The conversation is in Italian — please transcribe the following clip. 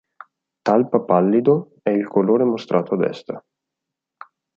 Talpa pallido è il colore mostrato a destra.